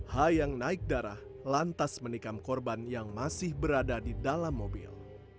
h yang naik darah lantas menikam korban yang masih berada di dalam mobil